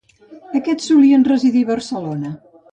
Aquests solien residir a Barcelona.